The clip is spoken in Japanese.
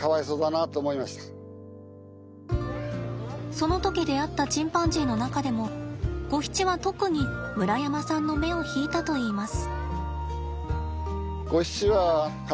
その時出会ったチンパンジーの中でもゴヒチは特に村山さんの目を引いたといいます。